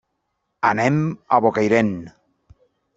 Anem a Bocairent.